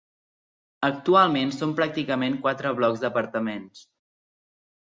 Actualment són pràcticament quatre blocs d'apartaments.